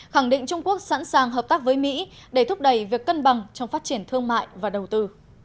khẳng định trung quốc sẵn sàng hợp tác với mỹ để thúc đẩy việc cân bằng trong phát triển thương mại và đầu tư